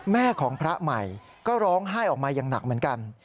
แม่ของพระใหม่ก็ร้องไห้ออกมาอย่างหนักเหมือนกัน